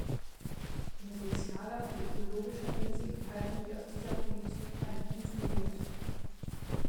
In sozialer und ökologischer Hinsicht erhalten wir aus dieser Politik einen guten Wert.